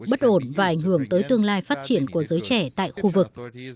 bạo lực bất ổn và ảnh hưởng tới tương lai phát triển của giới trẻ tại khu vực